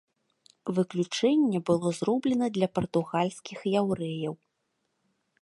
Выключэнне было зроблена для партугальскіх яўрэяў.